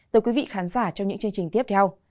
tới quý vị khán giả trong những chương trình tiếp theo